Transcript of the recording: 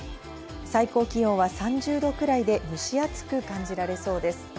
最高気温は３０度くらいで蒸し暑く感じられそうです。